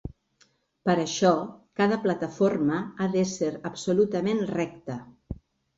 Per això, cada plataforma ha d'ésser absolutament recta.